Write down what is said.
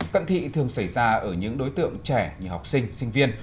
cận thị thường xảy ra ở những đối tượng trẻ như học sinh sinh viên